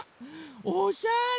おしゃれ。